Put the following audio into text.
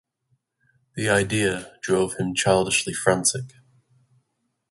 The idea drove him childishly frantic.